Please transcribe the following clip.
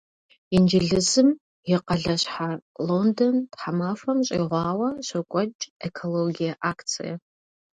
Инджылызым и къалащхьэ Лондон тхьэмахуэм щӏигъуауэ щокӏуэкӏ экологие акцие.